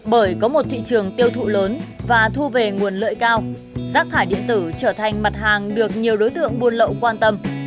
bởi có một thị trường tiêu thụ lớn và thu về nguồn lợi cao rác thải điện tử trở thành mặt hàng được nhiều đối tượng buôn lậu quan tâm